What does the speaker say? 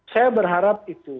saya berharap itu